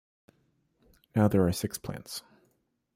Now there are six plants.